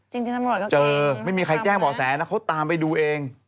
จริงตำรวจก็เจอไม่มีใครแจ้งบ่อแสนะเขาตามไปดูเอง